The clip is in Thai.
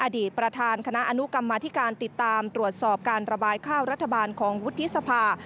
อดีตประธานคณะอนุกรรมธิการติดตามตรวจสอบการระบายข้าวรัฐบาลของวุฒิสภา